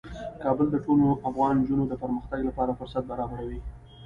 کابل د ټولو افغان نجونو د پرمختګ لپاره فرصتونه برابروي.